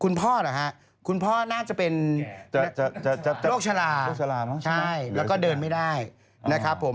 พ่อเหรอฮะคุณพ่อน่าจะเป็นโรคชะลาโรคใช่แล้วก็เดินไม่ได้นะครับผม